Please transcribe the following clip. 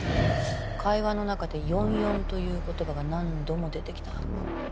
会話の中で「４４」という言葉が何度も出てきた。